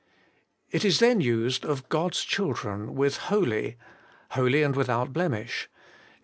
It is then used of God's children with holy holy and without blemish (Eph.